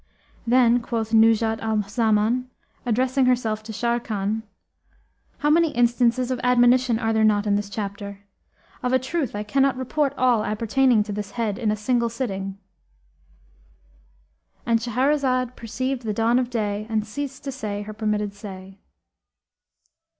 Then quoth Nuzhat al Zaman, addressing herself to Sharrkan, "How many instances of admonition are there not in this chapter! Of a truth I cannot report all appertaining to this head in a single sitting,"—And Shahrazad perceived the dawn of day and ceased to say her permitted say.